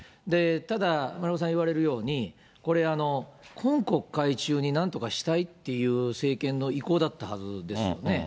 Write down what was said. ただ、丸岡さん言われるように、これ、今国会中になんとかしたいっていう政権の意向だったはずですよね。